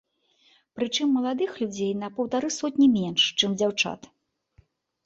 Прычым маладых людзей на паўтары сотні менш, чым дзяўчат.